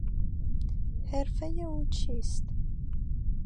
حرفهی او چیست؟